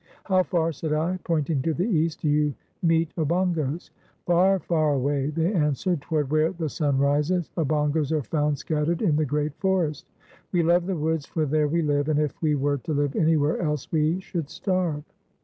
"How far," said I, pointing to the east, "do you meet Obongos?" "Far, far away," they answered, "toward where the sun rises, Obongos are found scattered in the great forest. We love the woods, for there we live, and if we were to live anywhere else we should starve."